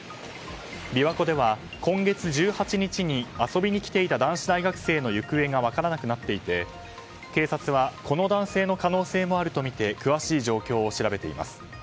琵琶湖では今月１８日に遊びに来ていた男子大学生の行方が分からなくなっていて警察はこの男性の可能性もあるとみて詳しい状況を調べています。